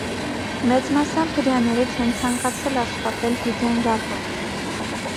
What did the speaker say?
Մեծ մասամբ հրեաները չեն ցանակցել աշխատել յուդենրատում։